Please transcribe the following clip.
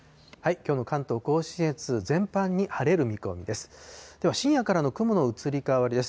きょうの関東甲信越、全般に晴れる見込みです。